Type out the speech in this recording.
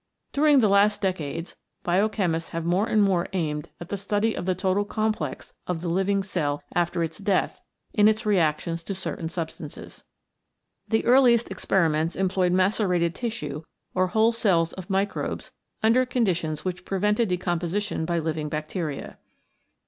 During the last decades biochemists have more and more aimed at the study of the total complex of the living cell after its death in its reactions to certain substances. The earliest experiments employed macerated tissue or whole cells of microbes under conditions which prevented decomposition by living bacteria.